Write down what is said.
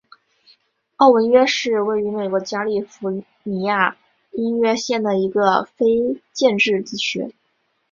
奥文约是位于美国加利福尼亚州因约县的一个非建制地区。